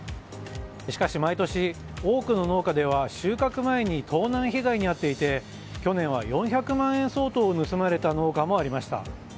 しかし毎年、多くの農家では収穫前に盗難被害に遭っていて去年は４００万円相当を盗まれた農家もありました。